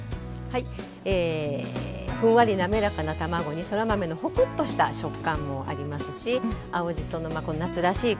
ふんわり、なめらかな卵にそら豆のホクッとした食感もありますし青じその夏らしい